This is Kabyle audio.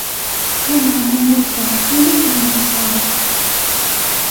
Lameɛna Musa, win akken yextar.